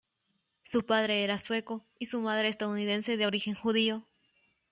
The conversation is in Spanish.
Su padre era sueco y su madre estadounidense de origen judío.